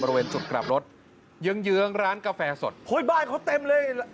บริเวณจุดกลับรถเยื้องเยื้องร้านกาแฟสดโอ้ยบ้านเขาเต็มเลย